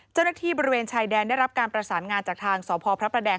เจ้าหน้าที่บริเวณชายแดนได้รับการประสานงานจากทางสพพระประแดง